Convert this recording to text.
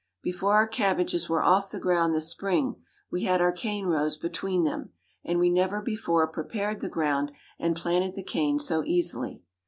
Before our cabbages were off the ground this spring, we had our cane rows between them; and we never before prepared the ground and planted the cane so easily.